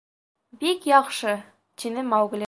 — Бик яҡшы, — тине Маугли.